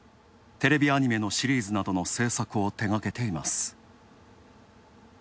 テレビアニメのシリーズなどの制作を手がけています。